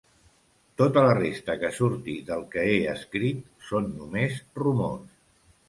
Tota la resta que surti del que he escrit, són només rumors.